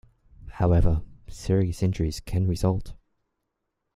However, serious injuries can result.